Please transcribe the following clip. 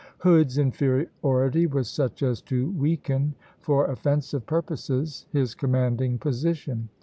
Hood's inferiority was such as to weaken, for offensive purposes, his commanding position.